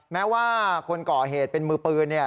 แม้ว่าคนก่อเหตุเป็นมือปืนเนี่ย